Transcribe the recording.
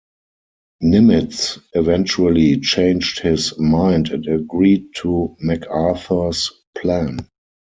Nimitz eventually changed his mind and agreed to MacArthur's plan.